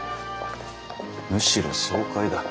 むしろ爽快だ。